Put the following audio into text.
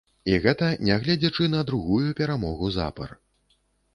І гэта нягледзячы на другую перамогу запар.